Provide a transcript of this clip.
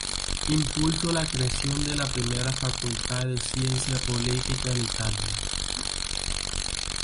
Impulsó la creación de la primera Facultad de Ciencia Política en Italia.